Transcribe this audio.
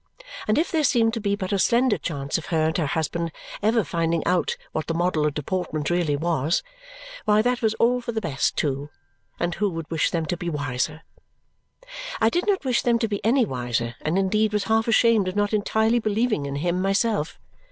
And if there seemed to be but a slender chance of her and her husband ever finding out what the model of deportment really was, why that was all for the best too, and who would wish them to be wiser? I did not wish them to be any wiser and indeed was half ashamed of not entirely believing in him myself.